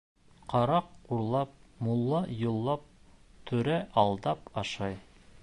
Ҡараҡ урлап, мулла юллап, түрә алдап ашай.